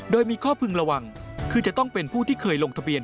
โดยมีข้อพึงระวังคือจะต้องเป็นผู้ที่เคยลงทะเบียน